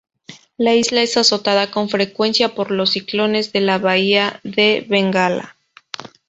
La isla es azotada con frecuencia por los ciclones de la bahía de Bengala.